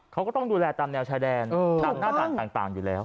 เขาก็ต้องดูแลตามแนวชายแดนตามหน้าต่างอยู่แล้ว